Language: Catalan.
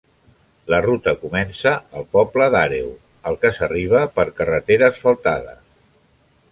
La ruta comença al poble d'Àreu al que s'arriba en carretera asfaltada.